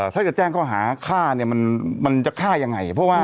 ถ้าจะแจ้งข้อหาฆ่าเนี่ยมันจะฆ่ายังไงเพราะว่า